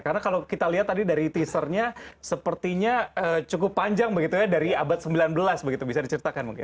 karena kalau kita lihat tadi dari teasernya sepertinya cukup panjang begitu ya dari abad sembilan belas begitu bisa diceritakan mungkin